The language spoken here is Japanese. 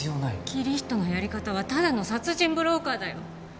キリヒトのやり方はただの殺人ブローカーだよ！